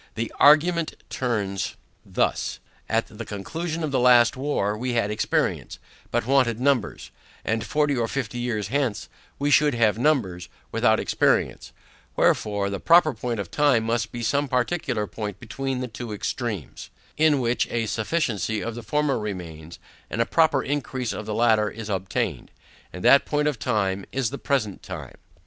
The argument turns thus at the conclusion of the last war, we had experience, but wanted numbers; and forty or fifty years hence, we should have numbers, without experience; wherefore, the proper point of time, must be some particular point between the two extremes, in which a sufficiency of the former remains, and a proper increase of the latter is obtained: And that point of time is the present time.